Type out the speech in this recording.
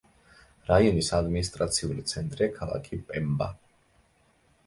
რაიონის ადმინისტრაციული ცენტრია ქალაქი პემბა.